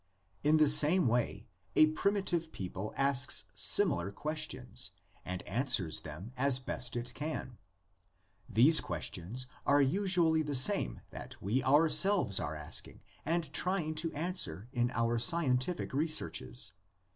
In the same way a primitive people asks similar questions and answers them as best it can. These questions are usually the same that we our selves are asking and trying to answer in our scien tific researches.